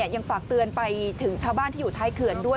ยังฝากเตือนไปถึงชาวบ้านที่อยู่ท้ายเขื่อนด้วย